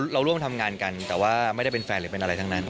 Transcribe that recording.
เราร่วมทำงานกันแต่ว่าไม่ได้เป็นแฟนหรือเป็นอะไรทั้งนั้น